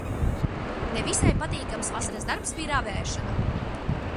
Ne visai patīkams vasaras darbs bija ravēšana.